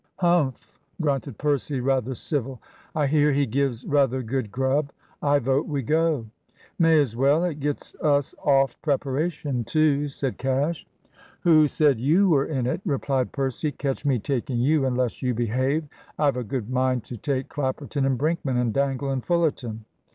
"Humph!" grunted Percy "rather civil I hear he gives rather good grub. I vote we go." "May as well. It gets us off preparation too," said Cash. "Who said you were in it?" replied Percy. "Catch me taking you unless you behave. I've a good mind to take Clapperton and Brinkman and Dangle and Fullerton."